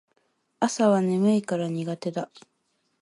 朝は眠いから苦手だ